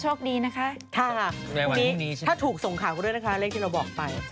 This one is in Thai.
ตอนนี้เรียกว่าเป็นแบบตำแหน่งเจ้าแม่พรีเซนเตอร์กันเลยทีเดียวนะคะ